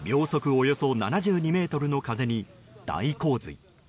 およそ７２メートルの風に大洪水。